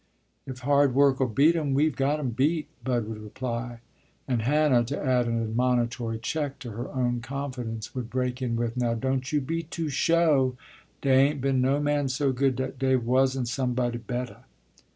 "If hard work'll beat 'em, we've got 'em beat," Bud would reply, and Hannah, to add an admonitory check to her own confidence, would break in with, "Now, don't you be too sho'; dey ain't been no man so good dat dey wasn't somebody bettah."